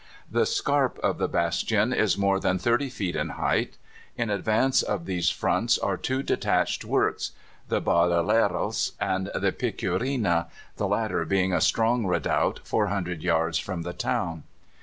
The scarp of the bastions is more than 30 feet in height. In advance of these fronts are two detached works, the Bardeleras and the Picurina, the latter being a strong redoubt 400 yards from the town.